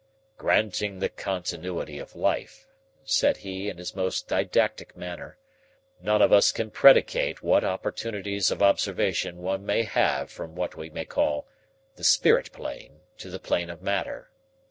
"Granting the continuity of life," said he, in his most didactic manner, "none of us can predicate what opportunities of observation one may have from what we may call the spirit plane to the plane of matter.